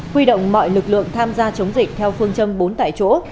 huy động mọi lực lượng tham gia chống dịch theo phương châm bốn tại chỗ